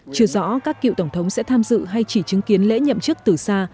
chưa rõ các cựu tổng thống sẽ tham dự hay chỉ chứng kiến lễ nhậm chức từ xa